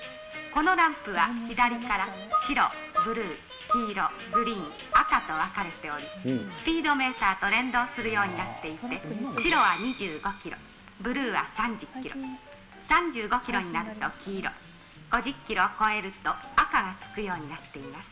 このランプは左から白、ブルー、黄色、グリーン、赤と分かれており、スピードメーターと連動するようになっていて、白は２５キロ、ブルーは３０キロ、３５キロになると黄色、５０キロを超えると赤がつくようになっています。